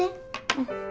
うん。